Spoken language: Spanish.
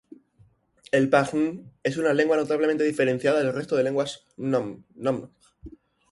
El pa-hng es una lengua notablemente diferenciada del resto de lenguas hmong.